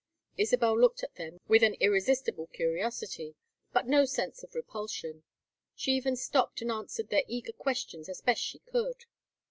Isabel looked at them with an irresistible curiosity, but no sense of repulsion; she even stopped and answered their eager questions as best she could.